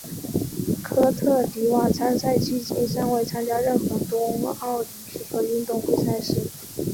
科特迪瓦参赛迄今尚未参与任何冬季奥林匹克运动会赛事。